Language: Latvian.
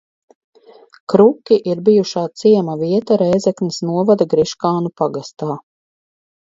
Kruki ir bijušā ciema vieta Rēzeknes novada Griškānu pagastā.